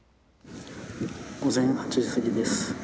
午前８時過ぎです。